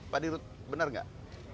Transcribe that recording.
pak dirut benar nggak